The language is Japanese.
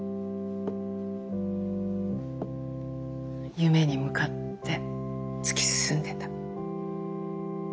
夢に向かって突き進んでた。